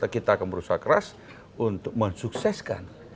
kita akan berusaha keras untuk mensukseskan